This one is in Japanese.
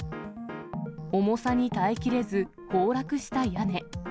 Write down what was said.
重さに耐えきれず、崩落した屋根。